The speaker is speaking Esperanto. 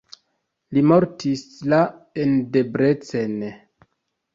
Li mortis la en Debrecen.